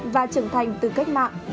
và trưởng thành từ cách mạng